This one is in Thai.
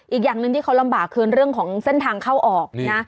อีกอย่างหนึ่งที่เขาลำบากคือเรื่องของเส้นทางเข้าออกนะ